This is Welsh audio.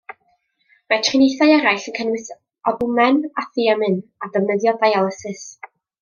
Mae triniaethau eraill yn cynnwys albwmen a thiamin, a defnyddio dialysis.